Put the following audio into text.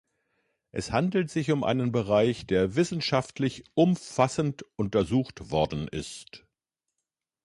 Es handelt sich um einen Bereich, der wissenschaftlich umfassend untersucht worden ist.